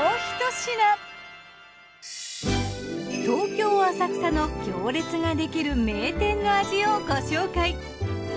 東京浅草の行列ができる名店の味をご紹介。